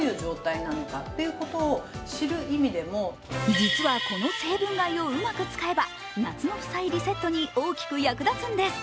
実はこの成分買いをうまく使えば夏の負債をリセットするのに大きく役立つんです。